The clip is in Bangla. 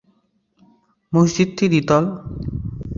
মসজিদটি দ্বিতল।